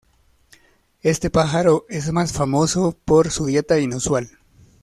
Este pájaro es más famoso por su dieta inusual.